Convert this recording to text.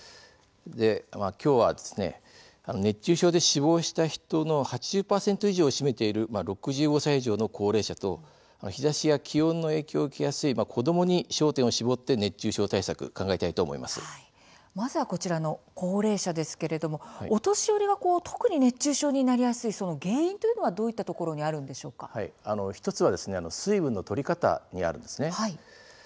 今日は熱中症で死亡した人の８０％以上を占めている６５歳以上の高齢者と日ざしや気温の影響を受けやすい子どもに焦点を絞ってまずはこちらの高齢者ですがお年寄りが特に熱中症になりやすい原因というのはどういったところに１つは水分のとり方にあるんです。